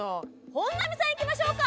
本並さんいきましょうか。